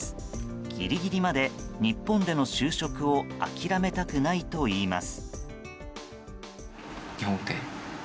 ぎりぎりまで日本での就職を諦めたくないといいます。